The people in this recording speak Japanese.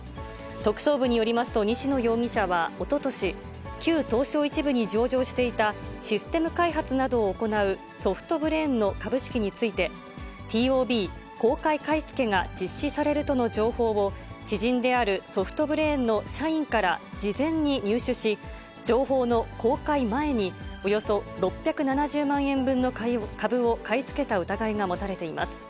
特捜部によりますと、西野容疑者はおととし、旧東証１部に上場していたシステム開発などを行うソフトブレーンの株式について、ＴＯＢ・公開買い付けが実施されるとの情報を、知人であるソフトブレーンの社員から事前に入手し、情報の公開前におよそ６７０万円分の株を買い付けた疑いが持たれています。